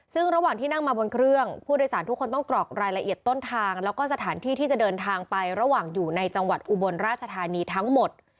ซึ่งระหว่างที่นั่งมาบนเครื่องผู้โดยสารทุกคนต้องกรอกรายละเอียดต้นทางแล้วก็สถานที่ที่จะเดินทางไประหว่างอยู่ในจังหวัดอุบลราชธานีทั้งหมด